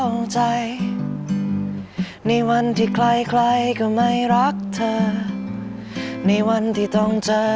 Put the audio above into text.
ไม่มีอย่างนี้ด้วยเหรอคือยังแต่งไม่เสร็จ